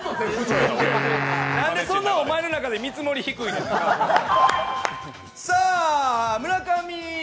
何でそんなおまえん中で見積もり低いねん。